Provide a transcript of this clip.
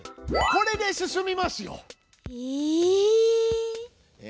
これで進みますよ！え！？